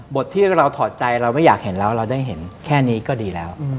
บทที่เราถอดใจเราไม่อยากเห็นแล้วเราได้เห็นแค่นี้ก็ดีแล้ว